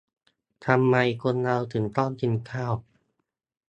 ทำไมคนเราถึงต้องกินข้าว